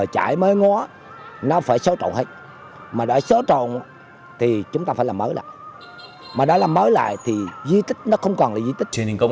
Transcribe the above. thành di tích một tuổi